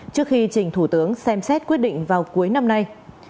trước khi trình thủ tướng xem xét quyết định vào cuối năm nay